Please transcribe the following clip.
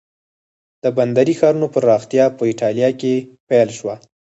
د بندري ښارونو پراختیا په ایټالیا کې پیل شوه.